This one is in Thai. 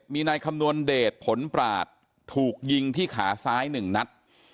มีนายคำนวณเดชผลปราศถูกยิงที่ขาซ้าย๑นัด